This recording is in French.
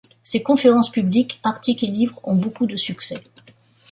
Ses conférences publiques, articles et livres ont beaucoup de succès.